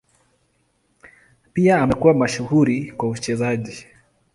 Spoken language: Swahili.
Pia amekuwa mashuhuri kwa uchezaji.